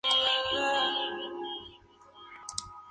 Franklin posee con su personalidad algo torpe pero es un gran amigo.